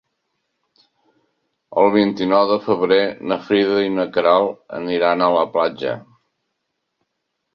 El vint-i-nou de febrer na Frida i na Queralt aniran a la platja.